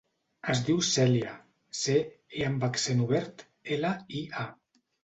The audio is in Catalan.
Es diu Cèlia: ce, e amb accent obert, ela, i, a.